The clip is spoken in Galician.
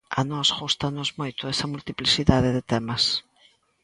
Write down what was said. A nós gústanos moito esa multiplicidade de temas.